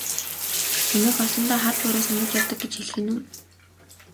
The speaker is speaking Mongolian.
Намайг олондоо хар буруу санаж явдаг гэж хэлэх нь үү?